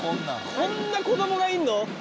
こんな子どもがいるの？